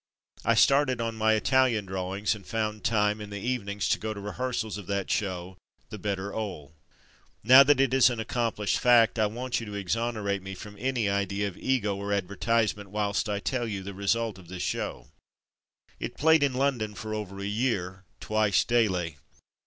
I started on my 252 From Mud to Mufti Italian drawings, and found time in the evenings to go to rehearsals of that show, The Better 'Ole, Now that it is an accom plished fact I want you to exonerate me from any idea of ego or advertisement whilst I tell you the result of this show. It played in London for over a year, twice daily.